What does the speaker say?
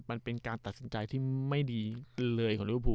มันเป็นการตัดสินใจที่ไม่ดีเลยของลิวภู